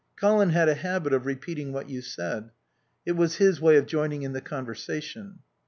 Colin had a habit of repeating what you said. It was his way of joining in the conversation.